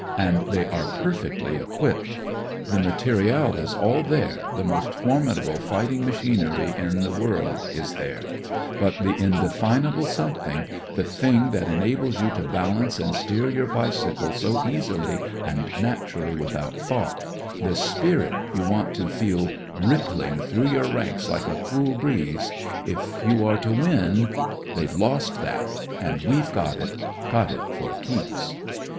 And they are per fectly equipped. The material is all there, the most formidable fighting machinery in the world is there ; but the indefinable something, the thing that enables you to balance and steer your bicycle so easily and naturally without thought, the spirit t^i Ih i 46 THE MORAL OF THE BOCHE you want to feel rippling through your ranks like a cool breeze — if you are to win; they've lost that, and we've got it, got it for keeps.